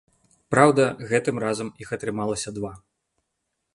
Праўда, гэтым разам іх атрымалася два.